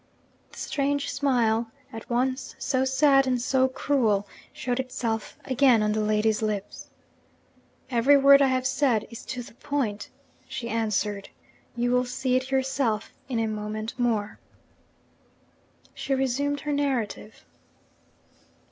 The strange smile at once so sad and so cruel showed itself again on the lady's lips. 'Every word I have said is to the point,' she answered. 'You will see it yourself in a moment more.' She resumed her narrative.